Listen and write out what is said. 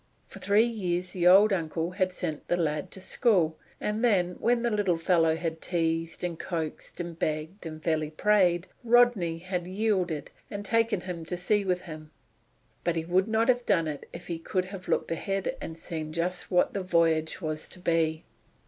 For three years the old uncle had sent the lad to school, and then, when the little fellow had teased, and coaxed, and begged, and fairly prayed, Rodney had yielded, and taken him to sea with him. But he would not have done it if he could have looked ahead and seen just what the voyage was to be.